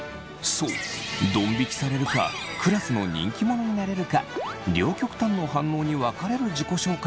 そうドン引きされるかクラスの人気者になれるか両極端の反応に分かれる自己紹介がありました。